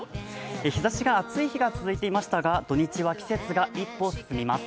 日ざしが暑い日が続いていましたが、土日は季節が一歩進みます。